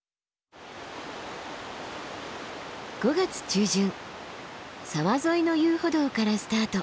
５月中旬沢沿いの遊歩道からスタート。